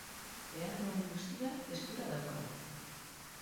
Behar dugun guztia eskura daukagu.